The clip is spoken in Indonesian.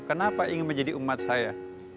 kenapa ingin menjadi umat saya